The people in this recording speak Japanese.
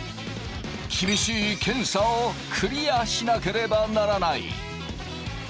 厳しい検査をクリアしなければならない。